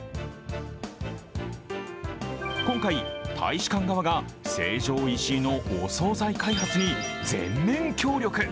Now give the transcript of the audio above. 今回、大使館側が成城石井のお惣菜開発に全面協力。